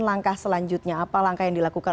langkah selanjutnya apa langkah yang dilakukan